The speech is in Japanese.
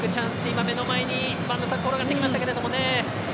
今、目の前に播戸さん転がってきましたけどもね。